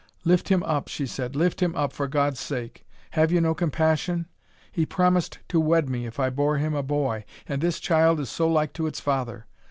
Lift him up," she said, "lift him up, for God's sake! have you no compassion? He promised to wed me if I bore him a boy, and this child is so like to its father!